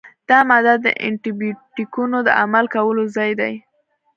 دا ماده د انټي بیوټیکونو د عمل کولو ځای دی.